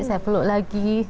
saya peluk lagi